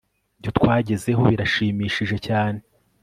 ibyo twagezeho birashimishije cyane